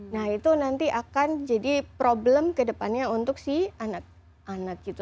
nah itu nanti akan jadi problem kedepannya untuk si anak gitu